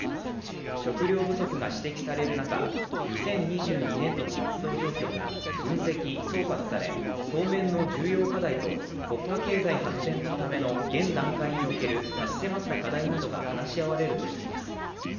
食料不足が指摘される中、２０２２年度の活動状況が分析、総括され当面の重要課題と国家経済発展のための現段階における差し迫った課題などが話し合われるとしています。